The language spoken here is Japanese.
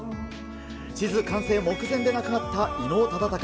地図完成目前で亡くなった伊能忠敬。